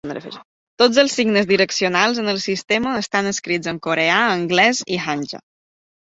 Tots els signes direccionals en el sistema estan escrits en coreà, anglès i hanja.